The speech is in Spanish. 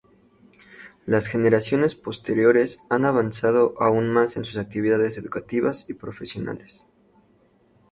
Las generaciones posteriores han avanzado aún más en sus actividades educativas y profesionales.